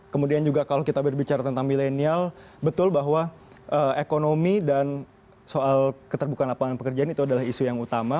kemudian juga kalau kita berbicara tentang milenial betul bahwa ekonomi dan soal keterbukaan lapangan pekerjaan itu adalah isu yang utama